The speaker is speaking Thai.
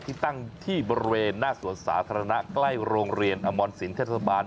ที่ตั้งที่บริเวณหน้าสวนสาธารณะใกล้โรงเรียนอมรสินเทศบาล